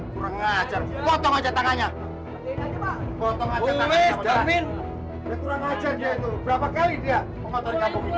kurang ajar potong aja tangannya